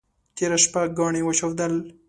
تېره شپه ګاڼي وچودل.